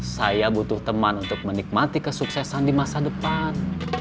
saya butuh teman untuk menikmati kesuksesan di masa depan